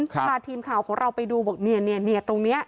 พาทีมข่าวของเราไปดูบอกเนี่ยตรงนี้